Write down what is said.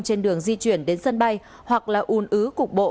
trên đường di chuyển đến sân bay hoặc là ùn ứ cục bộ